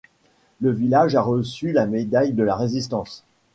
Le village a reçu la médaille de la Résistance.